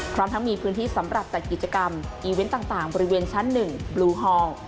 พร้อมทั้งมีพื้นที่สำหรับจัดกิจกรรมอีเวนต์ต่างบริเวณชั้น๑บลูฮอล